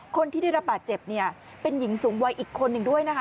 คนที่ได้รับบาดเจ็บเนี่ยเป็นหญิงสูงวัยอีกคนหนึ่งด้วยนะคะ